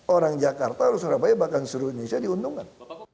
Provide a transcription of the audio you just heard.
orang jakarta orang surabaya bahkan seluruh indonesia diuntungkan